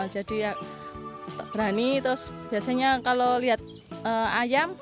jadi berani terus biasanya kalau lihat ayam